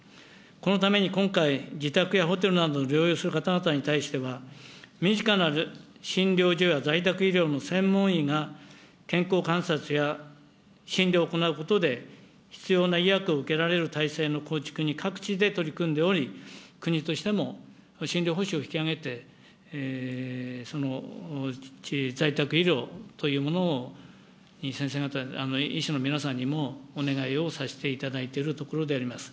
このために今回、自宅やホテルなどで療養する方々に対しては、身近な診療所や在宅医療の専門医が、健康観察や診療を行うことで、必要な医薬を受けられる体制の構築に各地で取り組んでおり、国としても診療報酬を引き上げて、その在宅医療というものを、先生方、医師の皆さんにも、お願いをさせていただいているところであります。